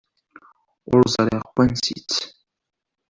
Ur ẓriɣ n wansi-tt.